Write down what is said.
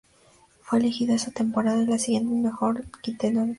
Fue elegido esa temporada y la siguiente en el mejor quinteto del Torneo.